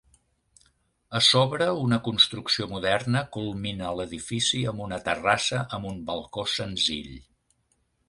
A sobre, una construcció moderna culmina l'edifici amb una terrassa amb un balcó senzill.